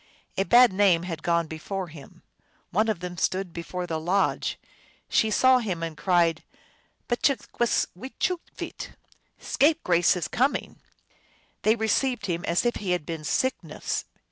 A bad name had gone before him. One of them stood before the lodge. She saw him, and cried, "Mcthgwis wechooveet!" Scape grace is coming !" They received him as if he had been Sickness.